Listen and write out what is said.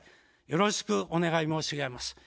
よろしくお願い申し上げます。